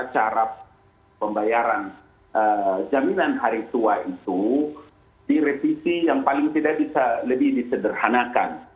jadi saya harap pembayaran jaminan hari tua itu direvisi yang paling tidak bisa lebih disederhanakan